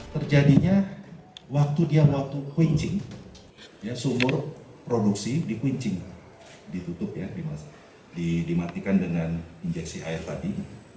terjadinya waktu dia waktu quincing sumur produksi di kuincing ditutup ya dimatikan dengan injeksi air tadi